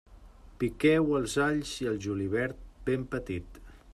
Piqueu els alls i el julivert ben petit.